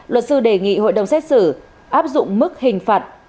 luật sư đề nghị hội đồng xét xử áp dụng mức hình phạt án treo cho bà thủy